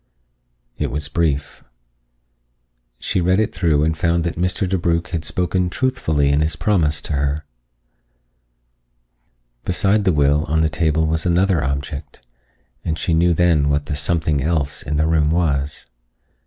It was brief. She read it through and found that Mr. DeBrugh had spoken truthfully in his promise to her. Beside the will on the table was another object, and she knew then what the "something else" in the room was.